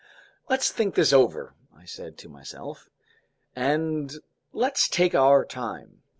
"Let's think this over," I said to myself, "and let's take our time.